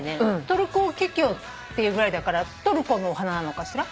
トルコキキョウって言うぐらいだからトルコのお花なのかしら？